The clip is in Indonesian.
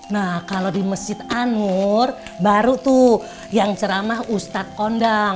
nah kalau di masjid anur baru tuh yang ceramah ustadz kondang